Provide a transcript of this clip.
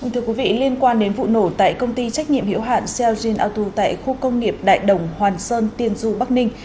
thưa quý vị liên quan đến vụ nổ tại công ty trách nhiệm hiệu hạn seogen autu tại khu công nghiệp đại đồng hoàn sơn tiên du bắc ninh